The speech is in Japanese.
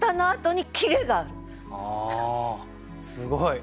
あすごい。